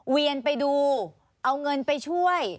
เวียนไปดูเอาเงินไปช่วย